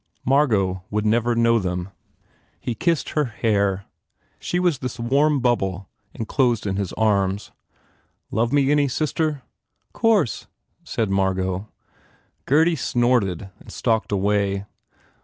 Margot would never know them. He kissed her FULL BLOOM hair. She was this warm bubble enclosed in his arms. "Love me any, sister?" " Course," said Margot. Gurdy snorted and stalked away.